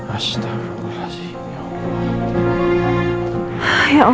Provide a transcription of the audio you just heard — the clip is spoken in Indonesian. assalamualaikum warahmatullahi wabarakatuh